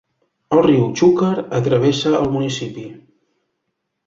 El riu Xúquer travessa el municipi.